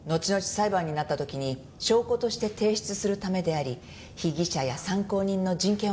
裁判になった時に証拠として提出するためであり被疑者や参考人の人権を守るためです。